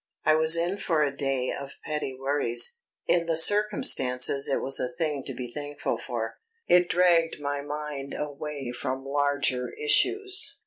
I was in for a day of petty worries. In the circumstances it was a thing to be thankful for; it dragged my mind away from larger issues.